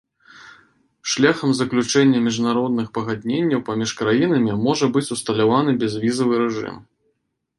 Шляхам заключэння міжнародных пагадненняў паміж краінамі можа быць усталяваны бязвізавы рэжым.